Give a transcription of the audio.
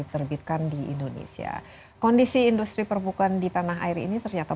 teruskan diskusi kita karena